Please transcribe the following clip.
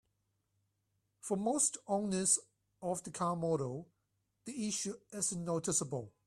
For most owners of the car model, the issue isn't noticeable.